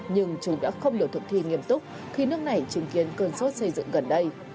nhưng chúng đã không được thực thi nghiêm túc khi nước này chứng kiến cơn sốt xây dựng gần đây